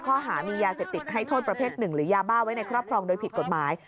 ข้อหามียาเสพติดให้โทษประเภทหนึ่งหรือยาบ้าไว้ในครอบครองโดยผิดกฎหมาย